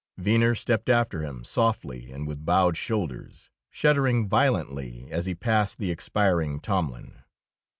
Venner stepped after him, softly and with bowed shoulders, shuddering violently as he passed the expiring Tomlin.